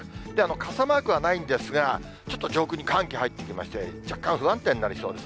傘マークはないんですが、ちょっと上空に寒気入ってきまして、若干不安定になりそうです。